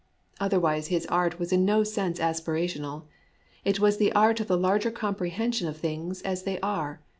Otherwise his art was in no sense aspirational ; it was the art of the larger comprehension of things as they are.